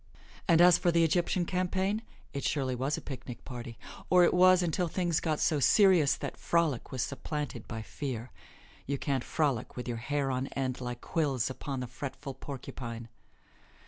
And as for the Egyptian campaign, it surely was a picnic party, or it was until things got so serious that frolic was supplanted by fear. You can't frolic with your hair on end like quills upon the fretful porcupine.